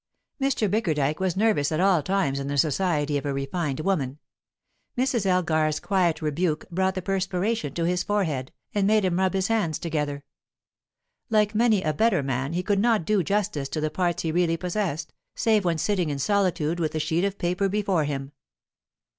Mr. Bickerdike was nervous at all times in the society of a refined woman; Mrs. Elgar's quiet rebuke brought the perspiration to his forehead, and made him rub his hands together. Like many a better man, he could not do justice to the parts he really possessed, save when sitting in solitude with a sheet of paper before him.